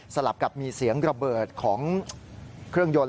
ลับกับมีเสียงระเบิดของเครื่องยนต์